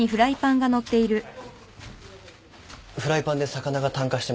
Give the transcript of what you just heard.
フライパンで魚が炭化してました。